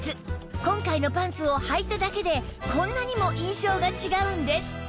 今回のパンツをはいただけでこんなにも印象が違うんです